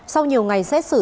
sau nhiều ngày xét xử